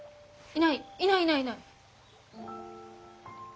いないいないいない！